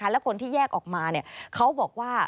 และคนที่แยกออกมาเขาบอกว่า